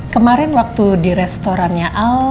kemarin waktu di restorannya al